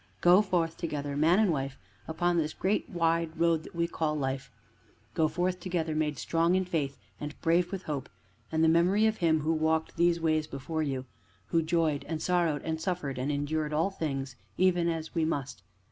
Go forth together, Man and Wife, upon this great wide road that we call Life; go forth together, made strong in Faith, and brave with Hope, and the memory of Him who walked these ways before you; who joyed and sorrowed and suffered and endured all things even as we must.